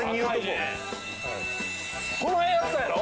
この辺やったやろ？